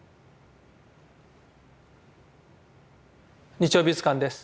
「日曜美術館」です。